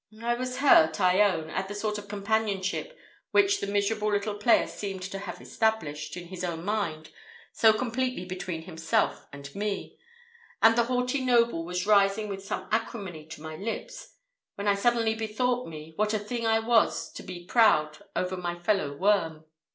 I was hurt, I own, at the sort of companionship which the miserable little player seemed to have established, in his own mind, so completely between himself and me; and the haughty noble was rising with some acrimony to my lips, when I suddenly bethought me, what a thing I was to be proud over my fellow worm!